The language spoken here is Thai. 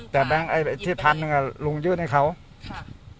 แบบซัยมือแต่แบบไอ้ที่พันหรือเป็นอ่ะลูงยืดให้เขาอ่ะ